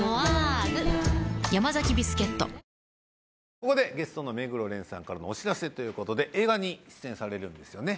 ここでゲストの目黒蓮さんからのお知らせということで映画に出演されるんですよね